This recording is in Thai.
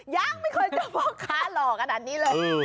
ยังไม่เคยเจอพ่อค้าหล่อขนาดนี้เลย